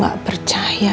saya sudah menang